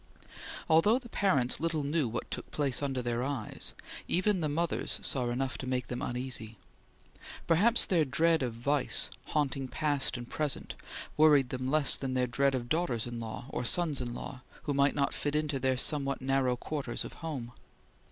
Although the parents little knew what took place under their eyes, even the mothers saw enough to make them uneasy. Perhaps their dread of vice, haunting past and present, worried them less than their dread of daughters in law or sons in law who might not fit into the somewhat narrow quarters of home.